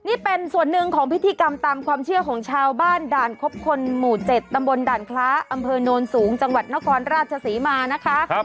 นี่เป็นส่วนหนึ่งของพิธีกรรมตามความเชื่อของชาวบ้านด่านคบคนหมู่๗ตำบลด่านคล้าอำเภอโนนสูงจังหวัดนครราชศรีมานะคะ